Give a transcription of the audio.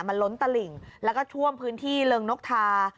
มันล้นตลิ่งแล้วก็ท่วมพื้นที่เริงนกทา